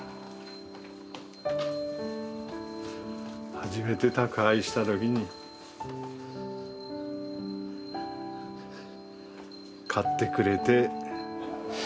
初めて宅配した時に買ってくれて。